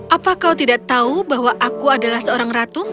apa kau tidak tahu bahwa aku adalah seorang ratu